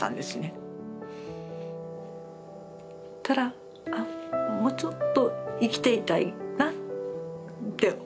そしたらあもうちょっと生きていたいなって思いが。